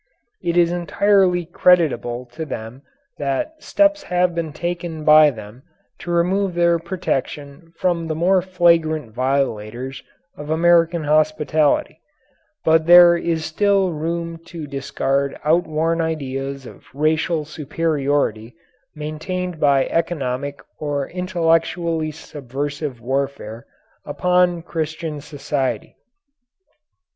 It is entirely creditable to them that steps have been taken by them to remove their protection from the more flagrant violators of American hospitality, but there is still room to discard outworn ideas of racial superiority maintained by economic or intellectually subversive warfare upon Christian society.